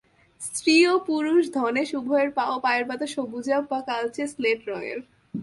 স্ত্রী ও পুরুষ ধনেশ উভয়ের পা ও পায়ের পাতা সবুজাভ বা কালচে-স্লেট রঙের।